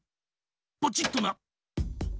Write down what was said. ポチっとな。